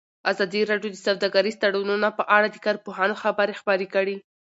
ازادي راډیو د سوداګریز تړونونه په اړه د کارپوهانو خبرې خپرې کړي.